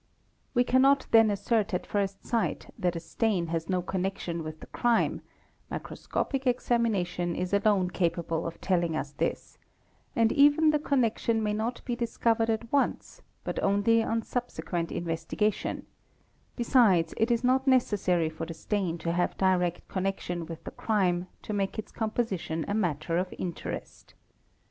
We cannot then assert at first sight that a stain has no connection with the crime, microscopic examination is alone capable of telling us this; and even the connection may not be discovered at once, but only on subsequent investigation ; besides it 1s not necessary for the stain to have direct connection with the crime to make its composi tion a matter of interest.